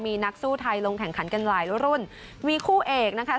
มีนักสู้ไทยลงแข่งขันกันหลายรุ่นมีคู่เอกนะคะ